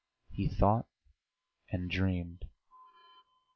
He thought and dreamed.